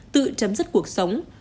tự chấm dứt cuộc sống